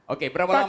oke berapa lama ya